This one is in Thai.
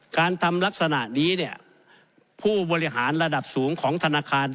การทำลักษณะนี้เนี่ยผู้บริหารระดับสูงของธนาคาร